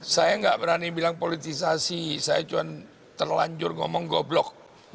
saya nggak berani bilang politisasi saya cuma terlanjur ngomong goblok